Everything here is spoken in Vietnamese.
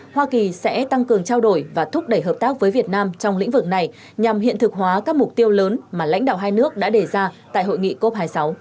hoa kỳ sẽ tăng cường trao đổi và thúc đẩy hợp tác với việt nam trong lĩnh vực này nhằm hiện thực hóa các mục tiêu lớn mà lãnh đạo hai nước đã đề ra tại hội nghị cop hai mươi sáu